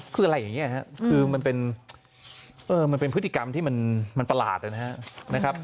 คืออะไรอย่างนี้ครับคือมันเป็นพฤติกรรมที่มันประหลาดนะครับ